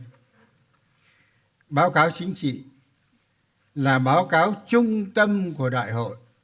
bước thứ hai báo cáo chính trị là báo cáo trung tâm của đại hội